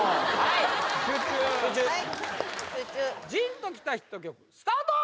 集中ジーンときたヒット曲スタート！